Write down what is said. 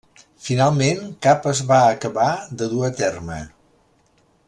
Finalment cap es va acabar de dur a terme.